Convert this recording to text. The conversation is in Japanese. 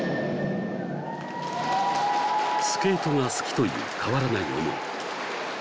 スケートが好きという変わらない思い